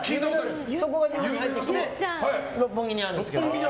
そこが日本に入ってきて六本木にあるんですよ。